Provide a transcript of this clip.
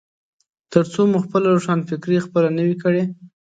ترڅو مو خپله روښانفکري خپله نه وي کړي.